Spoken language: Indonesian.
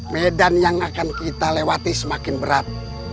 medan yang akan kita lewati semakin berat